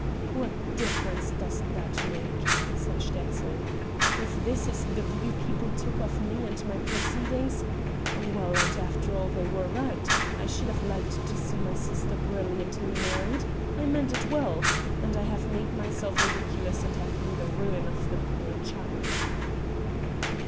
"What difference does that make?" said Sterzl; "if this is the view people took of me and my proceedings! Well, and after all they were right I should have liked to see my sister brilliantly married I meant it well ... and I have made myself ridiculous and have been the ruin of the poor child."